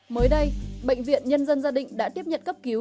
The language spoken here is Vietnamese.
mới đây bệnh viện nhân dân gia định đã tiếp nhận cấp cứu